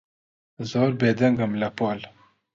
زۆر بێدەنگم لە پۆل.